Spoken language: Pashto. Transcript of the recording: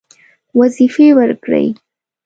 وظیفې ورکړې.